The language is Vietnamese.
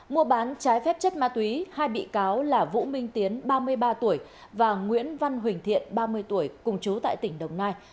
mua bán trái phép chất ma túy hai bị cáo là vũ minh tiến ba mươi ba tuổi và nguyễn văn huỳnh thiện ba mươi tuổi cùng chú tại tỉnh đồng nai